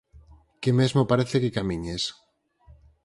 Que mesmo parece que camiñes.